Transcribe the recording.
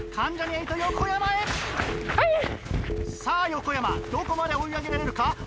さぁ横山どこまで追い上げられるか？